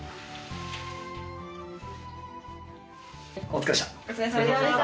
お疲れっした。